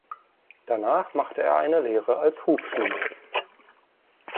Danach machte er eine Lehre als Hufschmied.